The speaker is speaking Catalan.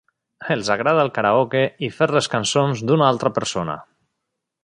Els agrada el karaoke i fer les cançons d'una altra persona.